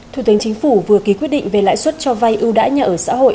thủ tướng chính phủ vừa ký quyết định về lãi suất cho vay ưu đãi nhà ở xã hội